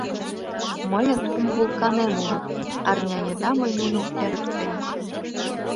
Мыйын кум вулканем уло, арня еда мый нуным эрыктем.